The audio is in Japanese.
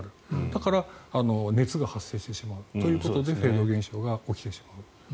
だから、熱が発生してしまうということでフェード現象が起きてしまうと。